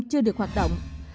chưa được hoạt động